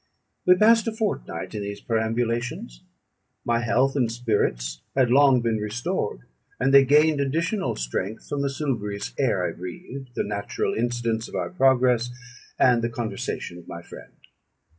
We passed a fortnight in these perambulations: my health and spirits had long been restored, and they gained additional strength from the salubrious air I breathed, the natural incidents of our progress, and the conversation of my friend.